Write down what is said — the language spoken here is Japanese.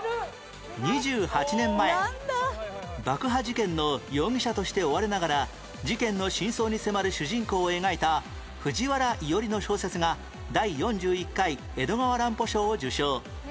２８年前爆破事件の容疑者として追われながら事件の真相に迫る主人公を描いた藤原伊織の小説が第４１回江戸川乱歩賞を受賞